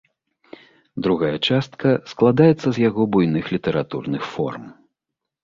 Другая частка складаецца з яго буйных літаратурных форм.